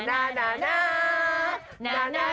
นานานานา